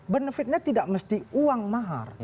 benefitnya tidak mesti uang mahar